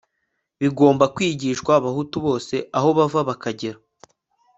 bigomba kwigishwa abahutu bose aho bava bakagera